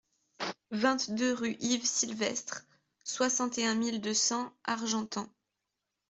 vingt-deux rue Yves Silvestre, soixante et un mille deux cents Argentan